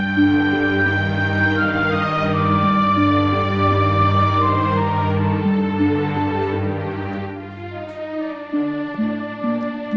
buat nyari pelanggan baru